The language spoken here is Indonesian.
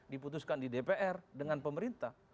diputuskan di dpr dengan pemerintah